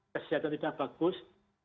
kehidupan yang tidak bagus